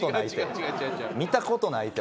見たことないって。